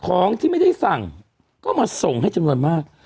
ของที่ไม่ได้สั่งก็มาส่งให้จำนวนมาก